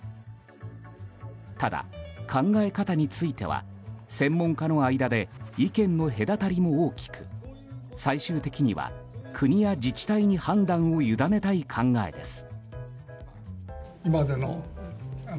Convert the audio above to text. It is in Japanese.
ただ、考え方については専門家の間で意見の隔たりも大きく最終的には国や自治体に判断を委ねたい考えです。